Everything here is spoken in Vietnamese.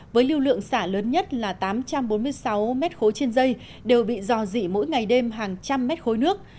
với lưu lượng xả lớn nhất là tám trăm bốn mươi sáu mét khối trên dây đều bị dò dỉ mỗi ngày đêm hàng trăm mét khối nước